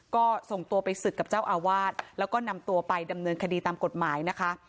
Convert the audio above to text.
ก็ส่งตัวไปศึกกับเจ้าอาวาสแล้วก็นำตัวไปดำเนินคดีตามกฎหมายนะคะ